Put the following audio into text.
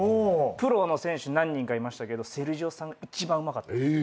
プロの選手何人かいましたけどセルジオさんが一番うまかったです。